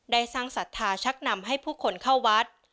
ได้สร้างศรัทธาชักนำให้ผู้คนเข้าวัด